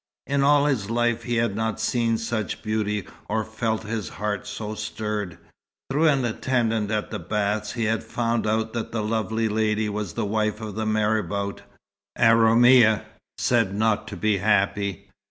In all his life he had not seen such beauty or felt his heart so stirred. Through an attendant at the baths he had found out that the lovely lady was the wife of the marabout, a Roumia, said not to be happy.